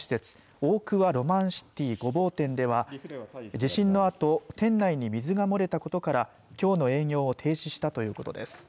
オークワロマンシティ御坊店では地震のあと店内に水が漏れたことからきょうの営業を停止したということです。